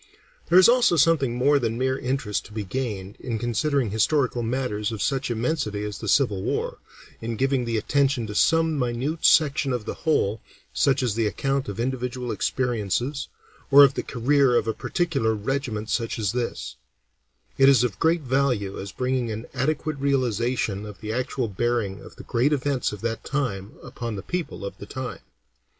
There is also something more than mere interest to be gained, in considering historical matters of such immensity as the Civil War, in giving the attention to some minute section of the whole, such as the account of individual experiences, or of the career of a particular regiment such as this; it is of great value as bringing an adequate realization of the actual bearing of the great events of that time upon the people of the time.